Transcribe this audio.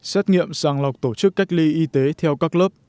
xét nghiệm sàng lọc tổ chức cách ly y tế theo các lớp